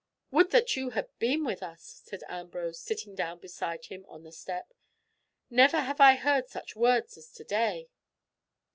"Would that you had been with us," said Ambrose, sitting down beside him on the step. "Never have I heard such words as to day."